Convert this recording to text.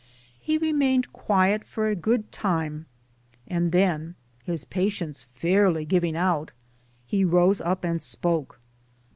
He remained quiet for a good time ; and then his patience fairly giving out he rose up and spoke.